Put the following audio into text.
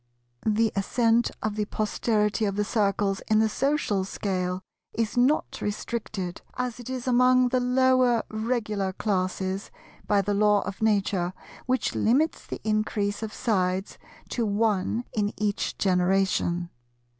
The ascent of the posterity of the Circles in the social scale is not restricted, as it is among the lower Regular classes, by the Law of Nature which limits the increase of sides to one in each generation.